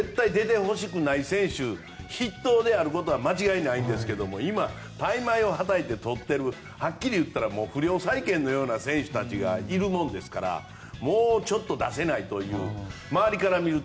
エンゼルスとしては絶対出てほしくない選手筆頭であることは間違いないんですが今、大枚をはたいて取っているはっきり言ったら不良債権のような選手たちがいるものですからもうちょっと出せないという。